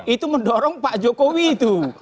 itu mendorong pak jokowi itu